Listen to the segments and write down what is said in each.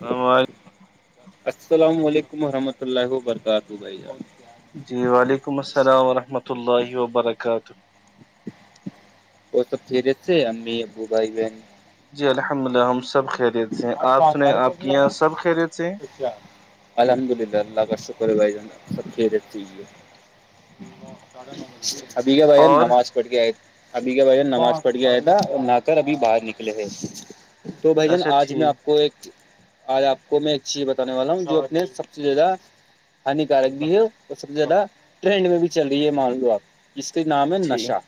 سج السلام علیکم ورحمۃ اللہ وبرکاتہ بھائی جی وعلیکم السلام ورحمۃ اللہ وبرکاتہ وہ سب چھیے جاے امی ابو بائی بن جی الحمد للہ ہم سب کہ رہے تھ ہیں آپ سنیں آپ کے یہاں سب کہ رہے تھ ہیں الحمد للہ اللہ کا شکر بھائیان خیرتی ہے ابھی کیا بھ اور نماز پٹ گیائے ابھی کے وجہ نماز پڑھ گیا آیا تھا نہ کر ابھی باہر نکلے تھے تو بھ جان اچھا آج میں ٹھیک آپ کو کو ایک آج آپ کو میں ایک چیز بتانے والا ہوں جو اپنے سب سے زیادہ ہانیکارک بھی ہے اور سب سے زیادہ ٹرینڈ میں بھی چل رہی ہے مان لو آپ اس کے نام ہے ٹھیک نشا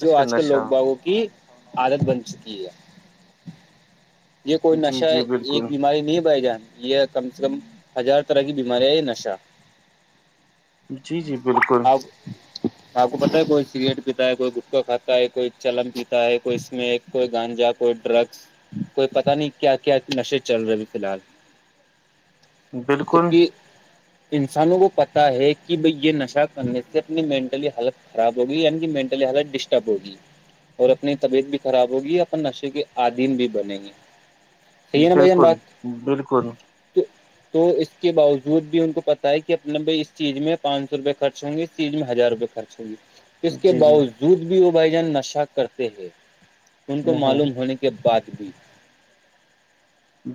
جو اچھا آج کل لوگ نشہ باغوں کی کی عادت بن چکی ہے یہ کوئی جی نشہ جی بالکل ایک بیماری نہیں بہ جانا یہ کم سے کم ہزار طرح کی بیمارییاں ہے یہ نشہ جی جی بالکل آب آپ کو پت ہے کوئی سگریٹ پیتا ہے کوئی گٹکا کھا ہے کوئی چلن پیتا ہے کوئی اس میں ایک کوئی گانجا کوئی ڈرگس کوئی پتا نہیں کیا کیا نشے چل رہے ہیں فی الحال بالکل کتلی انسانوں کو پتاہ ہے کہ بھائی یہ نشہ کرنے سے اپنی مینٹلی ہیلتھ خراب ہوگئی کی مینٹلی ہیلتھ ڈسٹرب ہوگی اور اپنی طبیعت بھی خراب ہوگی اپن نشے کے عدیم بھی بنےیں گے صحی ہے نا بھائی جان بات بالکل بالکل تو تو اس کے باوجود بھی ان کو پت ہے کہ اپنا بھائی اس چیز میں پانچ سو روپے خرچ ہوں گے اس چیز ہزار روپے خرچ صحی اس کے جی جی باوجود بھی وہ بھائی جان نشہ کرتے ہیں ان کو ہ ہ معلوم ہونے کے بعد بھی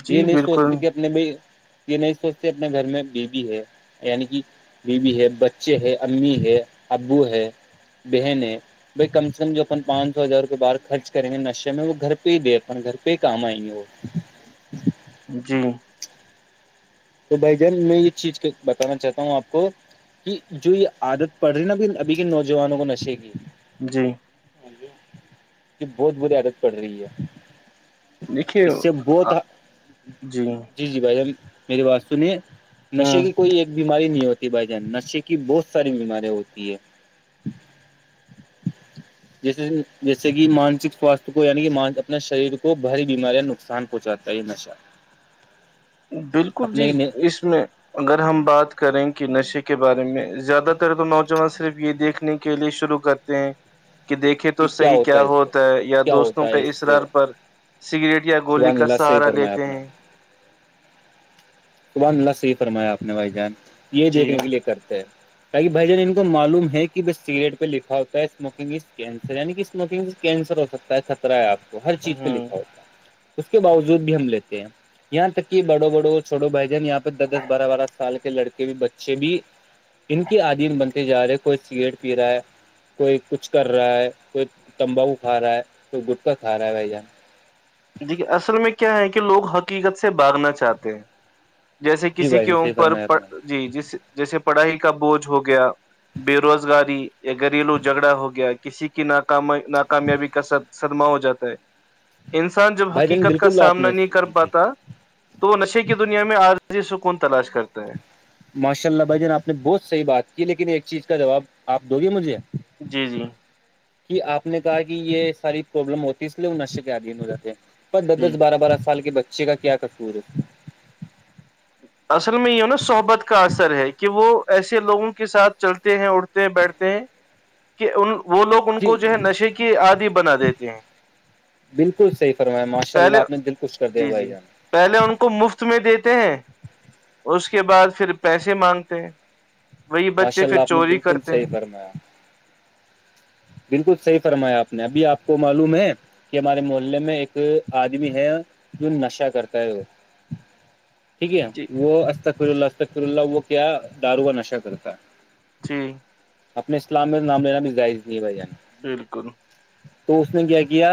جی یہ نہیں سوچتی بالکل کہ اپنے یہ نہیں سوچتے اپنے گھر میں بیبی ہے یعنی کہ بیوی ہے بچے ہے امی ہے ابو ہے بہنیں بھائی کم سے کم جو اپن پانچ سو ہزار روپئے باہر خرچ کریں گے نشے میں وہ گھر پہ ہی دے گھر پہ ہی کام آئیں گ وہ جی تو بھائی جان میں یہ چیز بتانا چاہتا ہوں آپ کو کہ جو یہ عادت پڑ رہی ہے نا ابھی کے نوجوانوں کو نشے کی جی یہ بہت بہت عادت پڑ رہی ہے دیکھیے اس سے بہت جی جی بھائی میری وا سنی نشے ہوں کی کوئی ایک بیماری نہیں ہوتی بھائی جان نشے کی بہت ساری بیمارییا ہوتی ہے [inaudible] جیسے جیسے کہ مانسک سواستھ کو یعنی کہ اپنا شریر کو بھاری بیماریاں نقصان کوچاتا ہے ہی نشہ بالکل جی اپنے اس میں اگر ہم بات کریں کہ نشے کے بارے میں زیادہ تر تو نوجوان صرف یہ دیکھنے کے لیے شروع کرتے ہیں کہ دیکھ تو صحیح کیا ہے اس سے ہوتا ہے یا کیا دوستوں ہوتا کے ہے اس سے ارار پر سگریٹ یا گولی سبحان کا اللہ صحیح سہارا فرمایا لیتے آپ نے ہیں صبحان اللہ سےحیح فرمایا آپ نے بھائی جان یہ جی دیکھنے کے لیے کرتے ہیں تاکہ بھائی جان ان کو معلوم ہے کہ بس سگریٹ پہ لکھا ہوتا ہےوکنگز کینسر یعنی کہ اسموکنگ کینسر ہو سکتا ہے خطرہ ہے آپ کو ہر چیز پہ ہوں لکھا ہوتا ہے اس کے باوجود بھی ہم لیتے ہیں یہاں تک کہ بڑو بڑوں چھوٹو بھ جان یہاں پہ دس دس بارہ بارہ سال کے لڑکے بھی بچے بھی ان کی عدیم بنتے جا رہے کوئی سگریٹ پی رہا ہے کوئی کچھ کر رہا ہے کوئی تمباؤو کھا رہا ہے کوئی گٹکا کھا رہا ہے بھائی جان دیکھی اصل میں کیا ہے کہ لوگ حقیقت سے باگنا چاہتے ہیں جیسے جی کسی بھائی کے جان صحیح امر فرمایا آپ نے جی جس جیسے پڑھائی کا بوجھ ہو گیا بے روزگاری یا گھریلو جھگڑا ہو گیا کسی کی ناک ناکامیابی کا صدمہ ہو جاتا ہے انسان جب بھائی جان حقیقت کا بالکل آپ سامنا نے نہیں کر جی جی پاتا جی تو وہ نشے کی دنیا میں آرضی سکون تلاش کرتا ہے ماشاء اللہ بھائی جان آپ نے بہت صحی بات کی لیکن ایک چیز کا جواب آپ دو گے مجھے جی جی کہ آپ نے کہا کہ یہ ساری پروابلم ہوتی ہے اس لیے وہ نشے کے آدین ہو جاتے ہیں پ دس جی دس بارہ بارہ سال کے بچے کا کیا کصور ہے اصل میں یہ نا صحبت کا اثر ہے کہ وہ ایسے لوگوں کے ساتھ چلتے ہیں اتے بیٹھتے ہیں کہ ان وہ لوگ ان جی کو جو ہے نشے کی آدی بنا دیتے ہیں بالکل صحی فرمایا ماشاء اللہ پہلے آپ نے دل خوش کر دیا جی بھائی جی جان پہلے ان کو مفت میں دیتے ہیں اس کے بعد پھر پیسے مانگتے ہیں وہی بچے پھر چوری کرتے ہیں کر میں بالکل صحیح فرمایا آپ نے ابھی آپ کو معلوم ہے کہ ہمارے محلے میں ایک آدمی ہے جو نشہ کرتا ہے وہ [inaudible] ٹھیک ہے جی وہ استقفر اللہ استکفر اللہ وہ کیا داروا نشہ کرتا ہے جی اپنے اسلام میں نام لینا بھی ظاہز نہیں ہے بھائی جان بالکل تو اس نے کیا کیا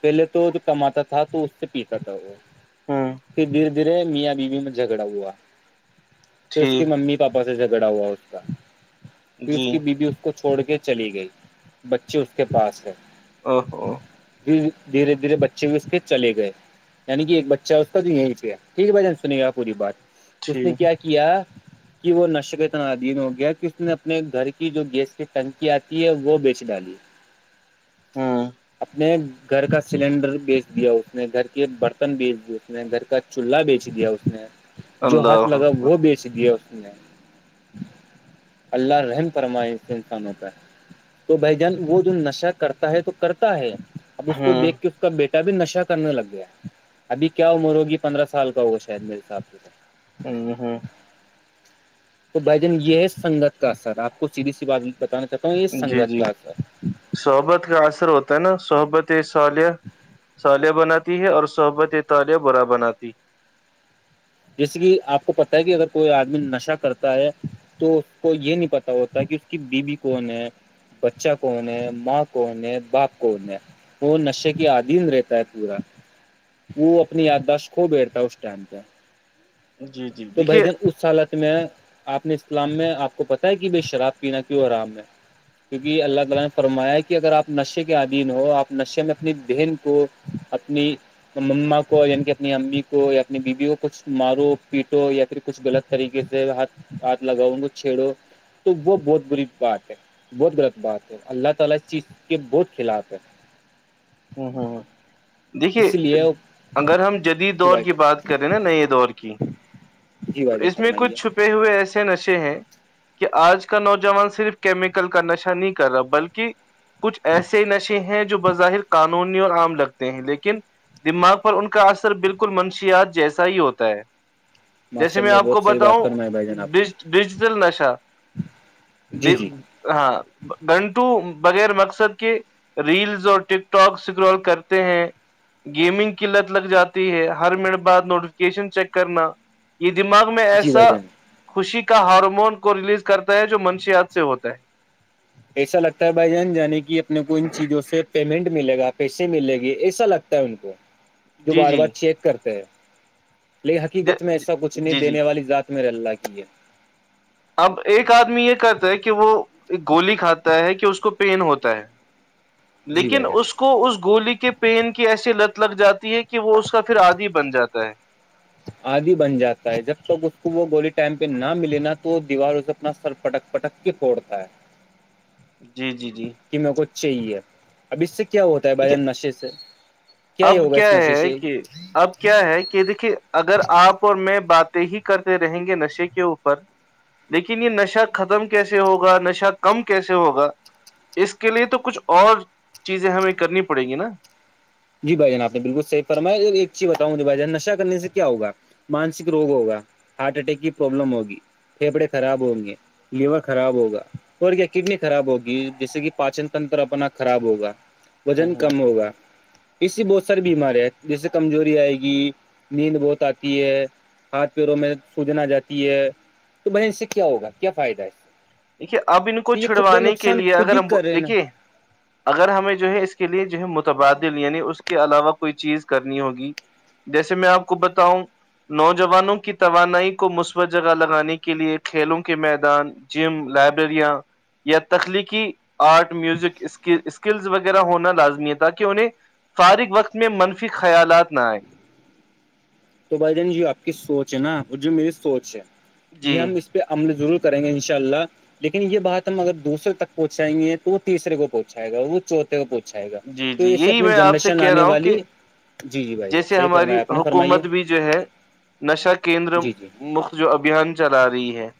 پہلے تو جو کماتا تھا تو اس سے پیتا تھا وہ ہوں کہ دھیرے دھیرے میاں بیوی میں جھگڑا ہوا پھر اس کی ٹھیک ممی پاپا سے جھگڑا ہوا اس کا پھر جی اس کی بیی اس کو چھوڑ کے چلی گئی بچی اس کے پاس ہے [unintelligible] دھیرے دھیرے بچے بھی اس کے چلے گئے یعنی کہ ایک بچہ ہے اس کا تو یہ پ ٹھیک ہے بھائی جان سنے گا پوری بات اس ٹھیک نے کیا کیا کہ وہ نشے کے تنادین ہو گیا کہ اس اپنے گھر کی جو گیس کی ٹنکی آتی ہے وہ بیچ ڈالی ہوں اپنے گھر کا سلینڈر بیچ دیا اس نے گھر کے برتن بیچ دییا اس نے گھر کا چولہا بیچ دیا اس نے جو ہاتھ لگا اللہ وہ بیچ دیا اس نے اللہ رحم فرمائے انسان ہوتا ہے تو بھائی جان وہ جو نشہ کرتا ہے تو کرتا ہے اب اس کو ہوں دیکھ کے اس کا بیٹا بھی نشا کرنے لگ گیا ہے ابھی کیا عمر ہوگی پندرہ سال کا ہوگا شاید میرے حساب سے ا ہاں تو بھائی جان یہ ہے سگت کا اثر آپ کو سیدھی سی بات بتانا چاہتا ہوں یہ جی سگت جی کا اثر صحبت کا اثر ہوتا ہے نا صحبت یہ صالح صالیہ بنات ہے اور صحبت طال برا بناتی جیسے کہ آپ کو پت ہے کہ اگر کوئی آدمی نشہ کرتا ہے تو اس کو یہ نہیں پتا ہوتا کہ اس کی بیوی کون ہے بچہ کون ہے ماں کون ہے باپ کون ہے وہ نشے کی عدیم رہتا ہے پورا وہ اپنی یاداشت کھو بیڑتا ہے اس ٹائم پہ ہے جی جی تو بھ دیکھیے جن اس سالت میں آپ نے اسلام میں آپ کو پتا ہے کہ بائی شراب پینا کیوں آرام میں کیونکہ اللہ تعالی نے فرمایا کہ اگر آپ نشے کے ادھیین ہو آپ نشے میں اپنی بہن کو اپنی ما کو یعنی کہ اپنی امی کو یا اپنی بیوی کو کچھ مارو پیٹو یا پھر کچھ غلط طریقے سے ہاتھ ہاتھ لگاؤ ان کو چھیڑو تو وہ بہت بری بات ہے بہت غلط بات ہے اللہ تعالی اس چیز کے بہت خلاف ہے [unintelligible] دیکھیے اسی لیے اگر ہم جدید جی دور بھائی کی جان بات کریں نا نئے دور کی جی تو بجہ اس سر میں کچھ چھپے ہوئے ایسے نشے ہیں کہ آج کا نوجوان صرف کیمیکل کا نشہ نہیں کر رہا بلکہ کچھ ایسے نشے ہیں جو بظاہر قانونی اور عام لگتے ہیں لیکن دماغ پر ان کا اثر بالکل منشیات جیسا ہی ہوتا ہے جیسے ماشاء میں اللہ آپ کو بہت صحیح بات بتاؤں فرمائی بھائی جان آپ نے ڈیجیٹل نشہ جی جی [unintelligible] ہاں گنٹو بغیر مقصد کے ریلز اور ٹک اسٹاک سکرول کرتے ہیں گیمنگ کیلت لگ جاتی ہے ہر منٹ بعد نوٹیفکیشن چیک کرنا یہ دماغ میں جی ایسا بھائی جان خوشی کا ہارمون کو ریلیز کرتا ہے جو منشیات سے ہوتا ہے ایسا لگتا ہے بھائی جان جانے کہ اپنے کو ان چیزوں سے پیمنٹ ملے گا پیسے ملے گے ایسا لگتا ہے ان کو جو جی بار بار جی چیک کرتے ہیں لن حقیقت میں ایسا کچھ نہیں جی جی دینے والی ذات میں رہ اللہ کی ہے اب ایک آدمی یہ کرتا ہے کہ وہ گولی کھاتا ہے کہ اس کو پین ہوتا ہے [unintelligible] لیکن اس اس کو اس گولی کے پینین کی ایسی لت لگ جاتی ہے کہ وہ اس کا پھر آدی بن جاتا ہے آدی بن جاتا ہے جب تک اس کو وہ گولی ٹائم پہ نہ ملے نہا تو دیواروں اپنا سر پٹک پٹک کے پھڑتا ہے جی جی جی کہ میرے کو چاہیے اب اس سے کیا ہوتا ہے بھائی دیکھیے ان نشے سے کیا یہ اب ہوگا اس نشے ہے سے کہ اب کیا ہے کہ دیکھیے اگر آپ اور میں بات ہی کرتے رہیں گے نشے کے اوپر لیکن یہ نشہ ختم کیسے ہوگا نشہ کم کیسے ہوگا اس کے لیے تو کچھ اور چیزیں ہمیں کرنی پڑیں گی نا جی بھائی جان آپ نے بالکل صح فرم ایک چیز بتاؤں گی بھائی جان نشہ کرنے سے کیا ہوگا مانسک روگ ہوگا ہارٹ اٹیک کی پروابلم ہوگی پھیپھڑے خراب ہوں گے لیور خراب ہوگا اور کیا کڈنی خراب ہوگی جیسے کہ پاچن تنتر اپنا خراب ہوگا وزن کم ہوگا اس سے بہت ساری بیماری ہیں جیسے کمزوری آئے گی نیند بہت آتی ہے ہاتھ پیروں میں سوجن آ جاتی ہے تو بہ اس سے کیا ہوگا کیا فائدہ ہے اس سے دیکھیے اب ان کو چھڑوانے کے لیے اگر ہی ہم کرے نا دیکھیے اگر ہمیں جو ہے اس کے لیے جو ہے متبادل یعنی اس کے علاوہ کوئی چیز کرنی ہوگی جیسے میں آپ کو بتاؤں نوجوانوں کی توانائی کو مثبت جگہ لگانے کے لیے کھیلوں کے میدان جم لائبریریاں یا تخلیقی آرٹ میوزکک اسکلز وغیرہ ہونا لازمی ہے تاکہ انہیں فارغ وقت میں منفی خیالات نہ آئے تو بھائی جان آپ کی سوچ ہے نا اور جو میری سوچ ہے جی یہ ہم اس پہ عمل ضرور کریں گے ان شاء اللہ لیکن یہ بات ہم اگر دوسرے تک پہنچائیں گے تو وہ تیسرے کو پہنچائے گا وہ چوتھے کو پہنچائے گا جی تو جی یہے یہی اپنی میں آپ سے جنریشن کہہ آنے رہا ہوں والی کہ جی جی بھائی ج جیسے صحی ہماری فرمایا آپ نے فرمائی ہے حکومت بھی ہے نشا کیندر جی مکت جو ابھیان چلا رہی ہے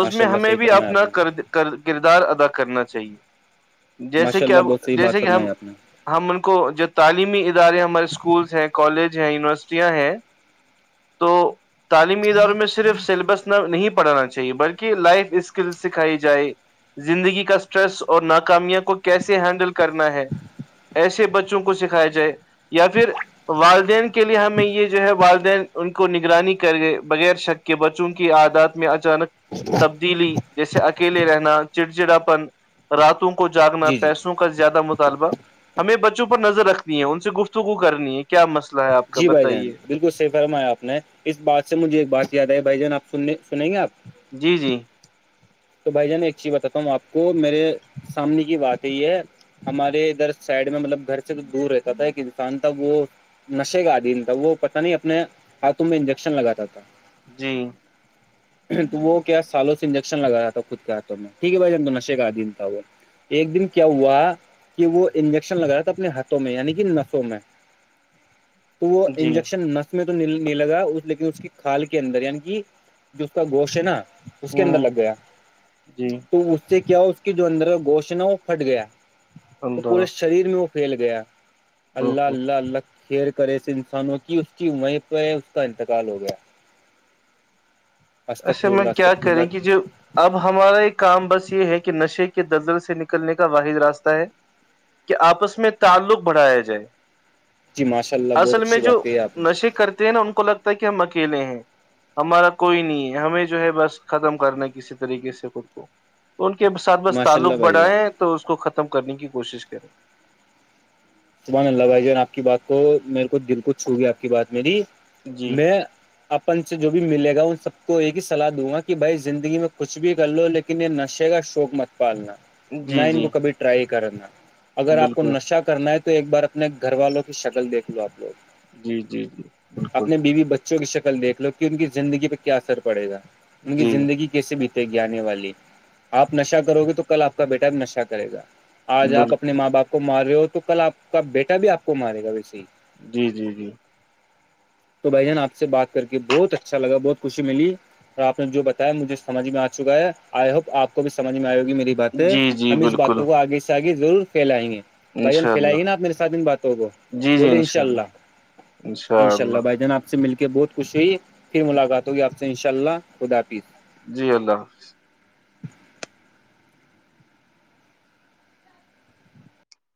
اس ماشاء میں اللہ ہمیں صحیح بھی فرمایا آپ اپنا نے کردار ادا کرنا چاہیے جیسے ماشاء کہ اللہ اب بہت صحیح بات جیسے کہ ہم فرمائی آپ نے ہم ان کو جو تعلیمی ادارے ہمارے اسکولس ہیں کالج ہیں یونیورسٹیاں ہیں تو تعلیمی اداروں میں صرف سیلیبس نہ نہیں پڑھانا چاہیے بلکہ کہ لائف اسکل سکھائی جائے زندگی کا اسٹریس اور ناکامیا کو کیسے ہینڈل کرنا ہے ایسے بچوں کو سکھایا جائے یا پھر والدین کے لیے ہمیں یہ جو ہے والدین ان کو نگرانی کر گئے بغیر شکتی کے بچوں کی آدات میں اچانک تبدیلی جیسے اکیلے رہنا چڑچڑاپن راتوں کو جاگنا جی جی پیسوں کا زیادہ مطالبہ ہمیں بچوں پر نظر رکھتی ہے ان سے گفت کو کرنی ہے کیا مسئلہ ہے آپ کا جی بھائی جان بتائیے بالکل صحی فرمایا آپ نے اس بات سے مجھے ایک بات یاد آ بھائی جان آنے سنیں گے آپ جی جی تو بھائی جان ایک چیز بتاتا ہوں آپ کو میرے سامنے کی بات یہ ہے ہمارے ادھر سائڈ میں مطلب گھر سے تو دور رہتا تھا ایک انسان تھا وہ نشے کا عدیم تھا وہ پتہ نہیں اپنے ہاتھوں میں انجیکشن لگاتا تھا جی تو وہ کیا سالوں سے انجیکشن لگایا تھا تب خود کہتا ہوں میں ٹھیک ہے بھائی جان تو نشے کاد دین تھا وہ ایک دن کیا ہوا کہ وہ انجیکشن لگ رہا تھا اپنے ہاتھوں میں یعنی کہ نسوں میں تو وہ جی انجیکشن نس اس میں تونے لگا لیکن اس کی کھال کے اندر یعنی کہ جو اس کا گوشت ہے نا اس کے ہوں اندر لگ گیا جی تو اس سے کیا اس کے جو اندر گوشن وہ پھٹ گیا تو اللہ پورے شریر میں وہ پھیل گیا اللہ اوہو۔ اللہ اللہ کا کھیر کرے سےے انسانوں کی اس کی وہیں پہ اس کا انتقال ہو گیا استخر اصے میں اللہ کیا استخر کریں کہ اللہ جو اب ہمارا ایک کام بس یہ ہے کہ نشے کے دردل سے نکلنے کا واحد راستہ ہے کہ آپس میں تعلق بڑھایا جائے جی ماشاء اللہ بہت اصل میں اچھی بات جو کہی ہے آپ نے نشے کرتے نا ان کو لگتا ہے کہ ہم اکیلے ہیں ہمارا کوئی نہیں ہے ہمیں جو ہے بس ختم کرنا کسی طریقے سے خود کو ان کے ساتھ بس ماشاء اللہ تعلق بھائی جان بڑھائیں تو اس کو ختم کرنے کی کوشش کریں سبح اللہ بھائی جان آپ کی بات کو میرے کو دل کو چھو گیا آپ کی بات میری جی میں اپن سے جو بھی ملے گا ان سب کو یہ ہی سلاح دوں گا کہ بھائی زندگی میں کچھ بھی کر لو لیکن یہ نشے کا شوک مت پالنا نہ جی ان جی کو کبھی ٹرائی کرا اگر آپ کو بالکل نشہ کرنا ہے تو تو ایک بار اپنے گھر والوں کی شکل دیکھ لو آپ جی جی جی لوگ بالکل اپنے بیوی بچ بچوں کی شکل دیکھ لو کہ ان کی زندگی پہ کیا اثر پڑے گا ان کی جی زندگی کی کیسے بیتے گی آنے والی آپ نشا کرو گے تو کل آپ کا بیٹا نشا کرے گا آج آپ اپنے بالکل ماں باپ کو مار رہے ہو تو کل آپ کا بیٹا بھی آپ کو مارے گا ویسے ہی جی جی جی تو بھائی جان آپ سے بات کر کے بہت اچھا لگا بہت خوشی ملی اور آپ نے جو بتایا مجے سمجھ میں آ چکا ہے آئی ہوپ آپ کو بھی سمجھ میں آئے ہو گی میری بات ہے جی جی ہم اس بالکل باتوں کو آگے سے آگے ضرور پھیلائیں گے اچھا پھیلائی گے نا آپ میرے ساتھ ان باتوں کو بولیے ان شاء اللہ انشاء اللہ بھائی جان آپ سے مل کے بہت خوش ہوئی پھر ملاقات ہوگی آپ سے انشاء اللہ خدافظ جی اللہ حافظ